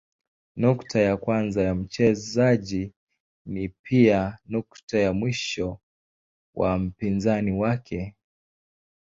Nukta ya kwanza ya mchezaji ni pia nukta ya mwisho wa mpinzani wake.